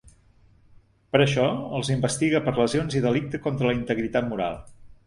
Per això, els investiga per lesions i delicte contra la integritat moral.